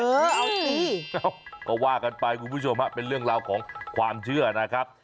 เออเอาสิก็ว่ากันไปคุณผู้ชมฮะเป็นเรื่องราวของความเชื่อนะครับ